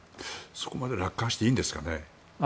そこまで楽観していいんですかね。